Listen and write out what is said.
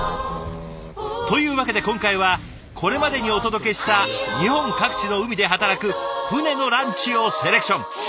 というわけで今回はこれまでにお届けした日本各地の海で働く船のランチをセレクション。